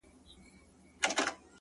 o سوچه کاپیر وم چي راتلم تر میخانې پوري،